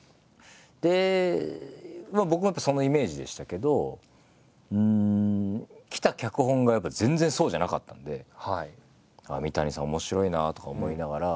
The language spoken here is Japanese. で僕もやっぱそのイメージでしたけど来た脚本がやっぱ全然そうじゃなかったんで三谷さん面白いなとか思いながら。